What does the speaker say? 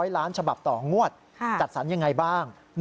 ล้านฉบับต่องวดจัดสรรยังไงบ้าง